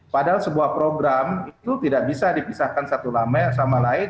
padahal sebuah program itu tidak bisa dipisahkan satu sama lain